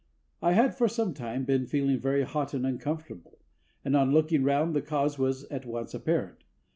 I had for some time been feeling very hot and uncomfortable, and on looking round, the cause was at once apparent.